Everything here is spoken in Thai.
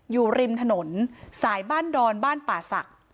อยู่ริมถนนสายบ้านดอนบ้านป่าศักดิ์